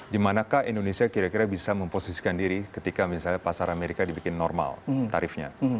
dimanakah indonesia kira kira bisa memposisikan diri ketika misalnya pasar amerika dibikin normal tarifnya